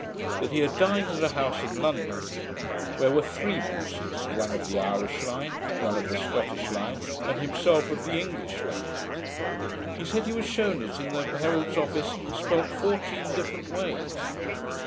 That he had dined at a house in London, where were three Bruces, one of the Irish line, one of the Scottish line, and himself of the English line. He said he was shewn it in the Herald's office spelt fourteen different ways.